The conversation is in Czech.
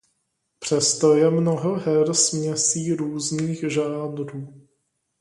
Přesto je mnoho her směsí různých žánrů.